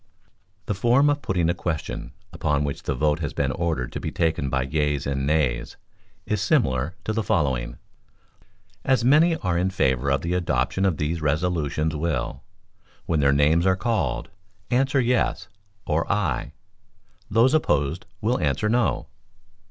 The form of putting a question upon which the vote has been ordered to be taken by yeas and nays, is similar to the following: "As many as are in favor of the adoption of these resolutions will, when their names are called, answer yes [or aye]—those opposed will answer no."